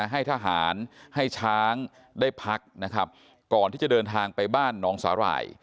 ให้ทหารให้ช้างได้พักนะครับก่อนที่จะเดินทางไปบ้านน้องสาหร่าย